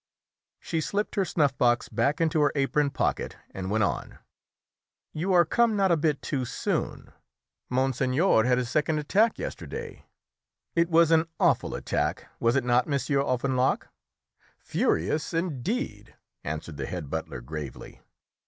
She slipped her snuff box back into her apron pocket, and went on "You are come not a bit too soon. Monseigneur had his second attack yesterday; it was an awful attack, was it not, Monsieur Offenloch?" "Furious indeed," answered the head butler gravely.